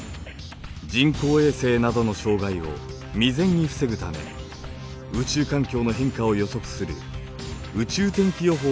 人工衛星などの障害を未然に防ぐため宇宙環境の変化を予測する宇宙天気予報を発表しています。